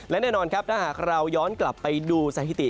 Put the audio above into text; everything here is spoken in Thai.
และแน่นอนครับถ้าหากเราย้อนกลับไปดูสถิติ